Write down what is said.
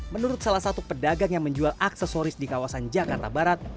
menurut salah satu pedagang yang menjual aksesoris di kawasan jakarta barat